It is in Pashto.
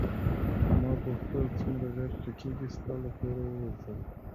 ما غوښتل څومره ژر چې کېږي ستا له کوره ووځم.